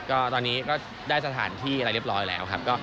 ก็ตอนนี้ก็ได้สถานที่อะไรเรียบร้อยแล้วครับ